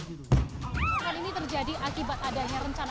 kecelakaan ini terjadi akibat adanya rencana